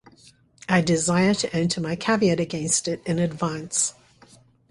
I desire to enter my caveat against it in advance.